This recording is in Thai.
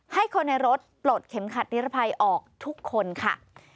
ให้คนในรถปลดเข็มขัดนิรภัยออกทุกคนค่ะ